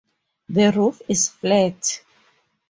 The roof is flat.